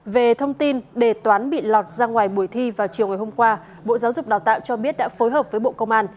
về thông tin đề toán bị lọt ra ngoài buổi thi vào chiều ngày hôm qua bộ giáo dục đào tạo cho biết đã phối hợp với bộ công an